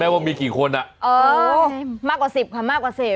ทันไหมว่ามีกี่คนอ่ะมากกว่าสิบค่ะมากกว่าสิบ